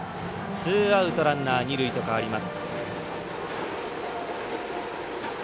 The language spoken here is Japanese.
ツーアウトランナー二塁と変わります。